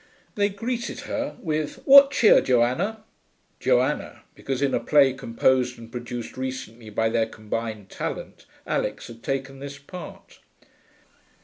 They greeted her with 'What cheer, Joanna?' Joanna, because in a play composed and produced recently by their combined talent, Alix had taken this part.